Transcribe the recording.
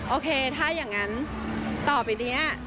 โอเคถ้าอย่างนั้นต่อไปนี้